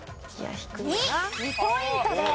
２。２ポイントです。